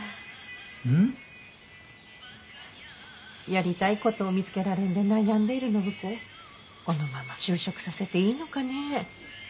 やりたいことを見つけられんで悩んでる暢子をこのまま就職させていいのかねぇ。